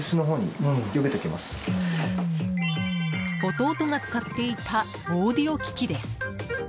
弟が使っていたオーディオ機器です。